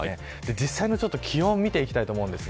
実際の気温を見ていきたいと思います。